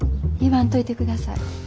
言わんといてください。